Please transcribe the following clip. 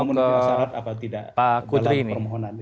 pemunuhan syarat atau tidak